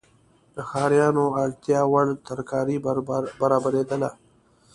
د ښاریانو اړتیاوړ ترکاري برابریدله.